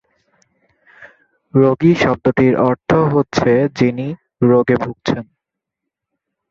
রোগী শব্দটির অর্থ হচ্ছে 'যিনি রোগে ভুগছেন'।